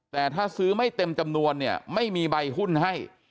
แต่ถ้าซื้อไม่เต็มจำนวนเนี่ยไม่มีใบหุ้นให้